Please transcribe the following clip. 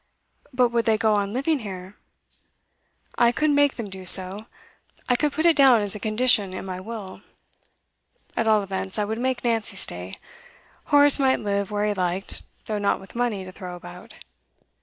'But would they go on living here?' 'I could make them do so. I could put it down as a condition, in my will. At all events, I would make Nancy stay. Horace might live where he liked though not with money to throw about.